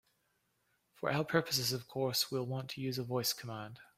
For our purposes, of course, we'll want to use a voice command.